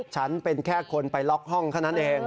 ฉันเป็นแค่คนไปล็อกห้องเท่านั้นเอง